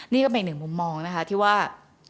นี่ก็เป็นอีกหนึ่งมุมมองนะคะที่ว่า